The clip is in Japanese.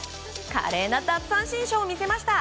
華麗な奪三振ショーを見せました。